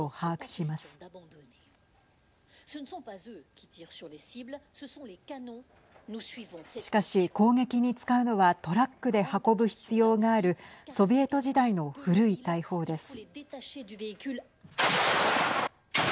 しかし、攻撃に使うのはトラックで運ぶ必要があるソビエト時代の古い大砲です。